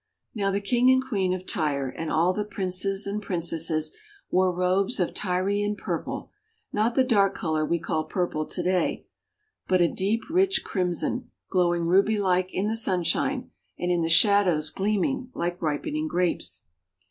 Now the King and Queen of Tyre, and all the Princes and Princesses, wore robes of Tyrian purple; not the dark colour we call purple to day, but a deep rich crimson, glowing ruby like in the sunshine, and, in the shadows, gleaming like ripening Grapes.